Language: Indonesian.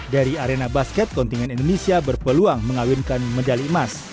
dari arena basket kontingen indonesia berpeluang mengawinkan medali emas